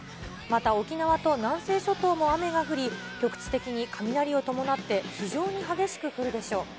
また、沖縄と南西諸島も雨が降り、局地的に雷を伴って、非常に激しく降るでしょう。